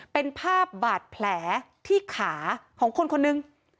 เป็นภาพบาดแผลที่ขาของคนคนหนึ่ง